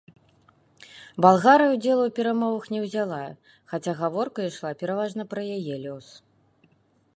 Балгарыя ўдзелу ў перамовах не ўзяла, хаця гаворка ішла пераважна пра яе лёс.